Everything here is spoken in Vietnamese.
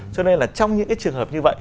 cho nên là trong những cái trường hợp như vậy